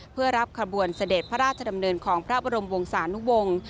เพื่อรับขบวนเสด็จพระราชดำเนินของพระบรมวงศานุวงศ์